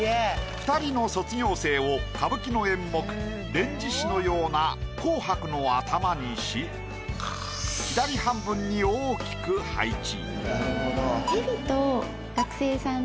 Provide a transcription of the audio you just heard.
２人の卒業生を歌舞伎の演目『連獅子』のような紅白の頭にし左半分に大きく配置。